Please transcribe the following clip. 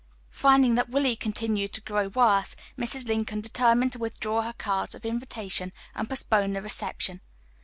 Finding that Willie continued to grow worse, Mrs. Lincoln determined to withdraw her cards of invitation and postpone the reception.